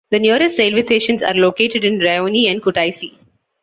The nearest railway stations are located in Rioni and Kutaisi.